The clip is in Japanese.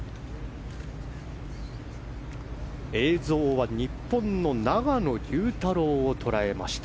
映像は日本の永野竜太郎を捉えました。